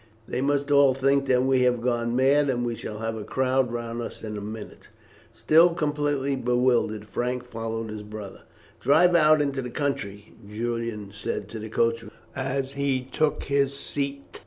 "They must all think that we have gone mad, and we shall have a crowd round us in a minute." Still completely bewildered, Frank followed his brother. "Drive out into the country," Julian said to the coachman as he took his seat.